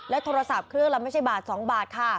โทรศัพท์เครื่องละไม่ใช่บาท๒บาทค่ะ